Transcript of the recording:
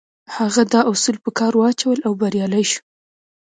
هغه دا اصول په کار واچول او بريالی شو.